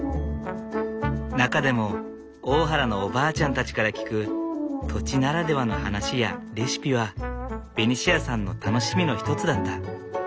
中でも大原のおばあちゃんたちから聞く土地ならではの話やレシピはベニシアさんの楽しみの一つだった。